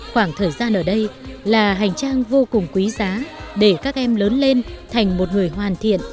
khoảng thời gian ở đây là hành trang vô cùng quý giá để các em lớn lên thành một người hoàn thiện